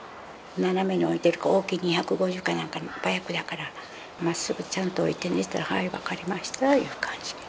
斜めに置いてる大きい２５０かなんかのバイクだから、まっすぐちゃんと置いてねって言ったら、はい、分かりましたいう感じ。